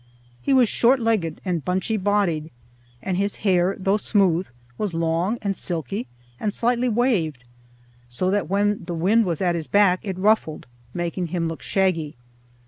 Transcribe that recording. He was short legged and bunchy bodied, and his hair, though smooth, was long and silky and slightly waved, so that when the wind was at his back it ruffled, making him look shaggy.